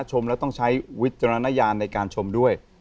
ชมแล้วต้องใช้วิจารณญาณในการชมด้วย